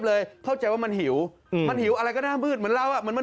พรุ่งเสร็จก็ทอดได้เลยข้าวตาไหม